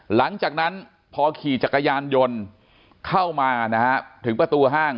หลังจากนั้นพอขี่จักรยานยนต์เข้ามานะฮะถึงประตูห้าง